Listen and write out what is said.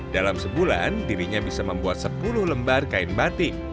dalam sebulan dirinya bisa membuat sepuluh lembar kain batik